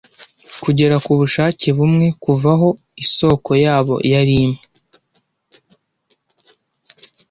Kugera kubushake bumwe kuva aho isoko yabo yari imwe,